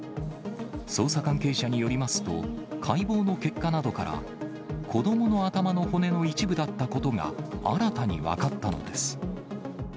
捜査関係者によりますと、解剖の結果などから、子どもの頭の骨の一部だったことが新たに分かったのです。